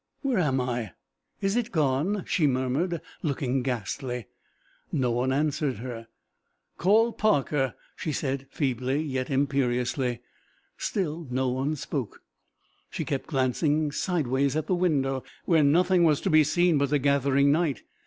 "Where am I? Is it gone?" she murmured, looking ghastly. No one answered her. "Call Parker," she said, feebly, yet imperiously. Still no one spoke. She kept glancing sideways at the window, where nothing was to be seen but the gathering night.